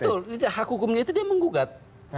betul hak hukumnya itu dia menggugat